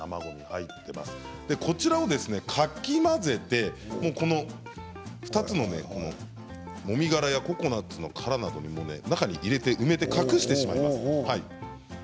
かき混ぜて２つのもみ殻やココナツの殻なども中に入れて埋めて隠してしまいます。